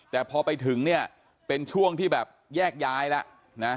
แต่พอไปถึงเป็นช่วงที่แยกย้ายแล้ว